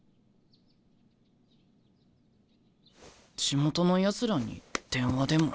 地元のやつらに電話でも。